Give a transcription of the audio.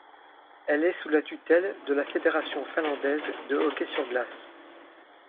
Elle est sous la tutelle de la Fédération finlandaise de hockey sur glace.